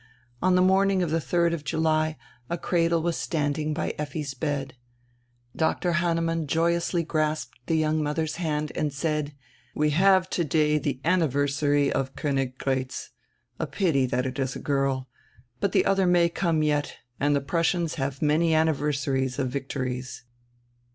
On die morning of die 3d of July a cradle was standing by Effi's bed. Dr. Hannemann joyously grasped die young mother's hand and said: "We have today die anniversary of Koniggratz; a pity, diat it is a girl. But die odier may come yet, and die Prussians have many anniversaries of victories."